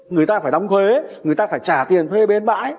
người ta phải đóng thuế người ta phải trả tiền thuê bến bãi